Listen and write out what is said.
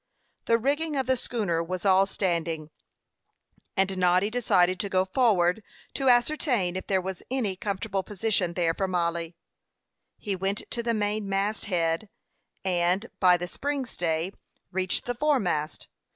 The rigging of the schooner was all standing, and Noddy decided to go forward to ascertain if there was any comfortable position there for Mollie. He went to the main mast head, and, by the spring stay, reached the fore mast.